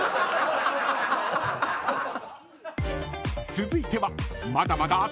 ［続いては］